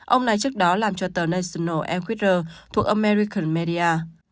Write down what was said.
ông này trước đó làm cho tờ national equator thuộc american media